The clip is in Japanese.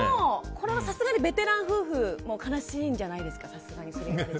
これはさすがにベテラン夫婦も悲しいんじゃないですか？